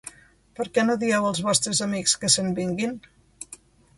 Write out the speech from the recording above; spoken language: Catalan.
Per què no dieu als vostres amics que se'n vinguin?